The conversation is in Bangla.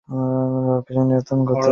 আমরাই সবকিছু নিয়ন্ত্রণ করতে পারি।